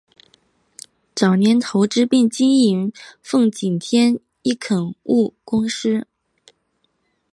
早年投资并经营奉锦天一垦务公司。